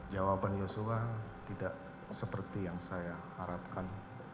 jawaban yosua tidak seperti yang saya harapkan